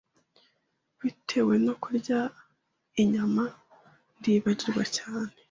bitewe no kurya inyama ndibagirwa cyane